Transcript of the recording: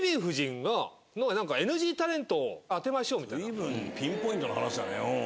随分ピンポイントな話だねうん。